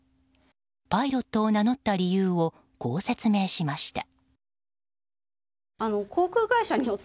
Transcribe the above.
パイロットを名乗った理由をこう説明しました。